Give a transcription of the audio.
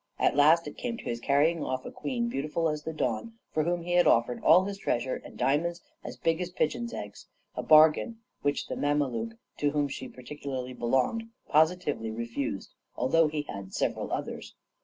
At last, it came to his carrying off a queen beautiful as the dawn, for whom he had offered all his treasure, and diamonds as big as pigeon's eggs a bargain which the Mameluke to whom she particularly belonged positively refused, although he had several others.